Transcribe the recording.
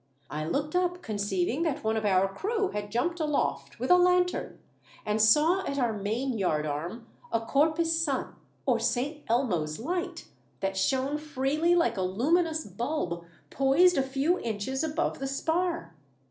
I looked up conceiving that one of our crew had jumped aloft with a lanthorn, and saw at our main yard arm a corpus sant or St. Elmo's light, that shone freely like a luminous bulb, poised a few inches above the spar.